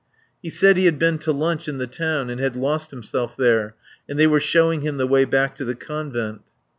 He said he had been to lunch in the town and had lost himself there and they were showing him the way back to the Convent.